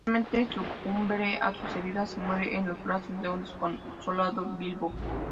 Finalmente sucumbe a sus heridas y muere en los brazos de un desconsolado Bilbo.